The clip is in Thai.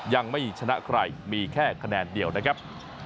ยังไม่ชนะใครมีแค่คะแนนเดียวนะครับ